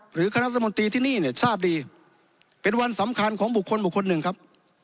คณะรัฐมนตรีที่นี่เนี่ยทราบดีเป็นวันสำคัญของบุคคลบุคคลหนึ่งครับ